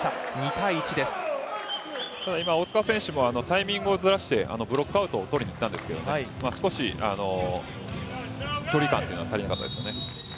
大塚選手もタイミングをずらしてブロックポイントを取りにいったんですけど少し距離感が足りなかったですよね。